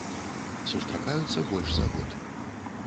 Сустракаюцца больш за год.